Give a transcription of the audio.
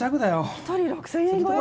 １人６０００円超え！？